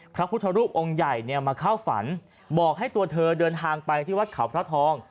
พระพุทธรูปองค์ใหญ่เนี่ยมาเข้าฝันบอกให้ตัวเธอเดินทางไปที่วัดเขาพระทอง